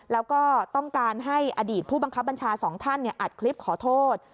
แล้วก็ต้องการให้อดีตผู้บังคับบัญชาสองท่านอัดคลิปขอโทษ